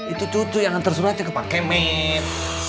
itu cucu yang hantar suratnya ke pak kemet